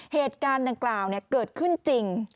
เหตุการณ์ดังกล่าวเกิดขึ้นจริง